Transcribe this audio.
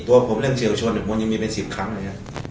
ตัวผมเริ่มเชี่ยวชนอยู่กว่างคือยังมีไปสิบครั้งเลย